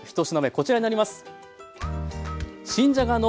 こちらになります。